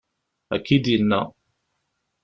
Akka i d-yenna.